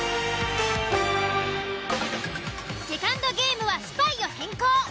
セカンドゲームはスパイを変更。